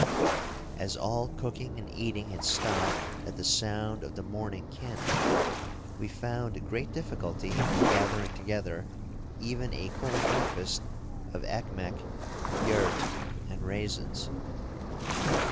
As all cooking and eating had stopped at the sound of the morning cannon, we found great difficulty in gathering together even a cold breakfast of ekmek, yaourt, and raisins.